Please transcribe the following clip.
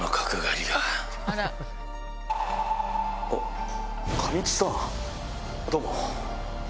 あっ上地さんどうも。